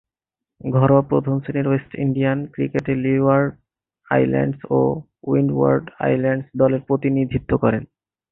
ঘরোয়া প্রথম-শ্রেণীর West Indian ক্রিকেটে লিওয়ার্ড আইল্যান্ডস ও উইন্ডওয়ার্ড আইল্যান্ডস দলের প্রতিনিধিত্ব করেন।